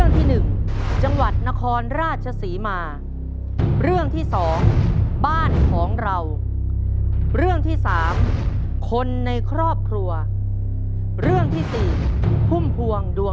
ถ้าพร้อมแล้วพ่อหล่อเลือกตอบเรื่อง